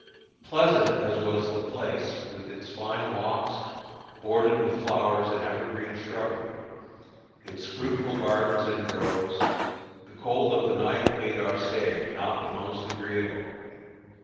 Pleasant as was the place, with its fine walks, bordered with flowers and evergreen shrubbery; its fruitful gardens and groves, the cold of the night made our stay not the most agreeable.